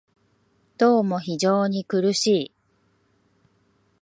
どうも非常に苦しい